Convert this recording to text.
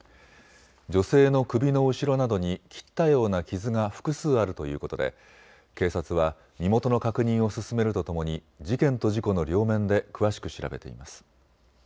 女性の首の後ろなどに切ったような傷が複数あるということで警察は身元の確認を進めるとともに事件と事故の両面で詳しく調べています。